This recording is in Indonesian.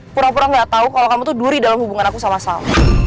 pura pura gak tau kalo kamu tuh duri dalam hubungan aku sama sal